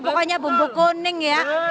pokoknya bumbu kuning ya